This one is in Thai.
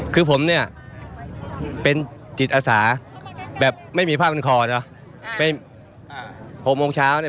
คือผมเนี้ยเป็นจิตอสาแบบไม่มีภาพเป็นคอใช่ปะอ่าไปอ่าโหกโมงเช้าเนี้ย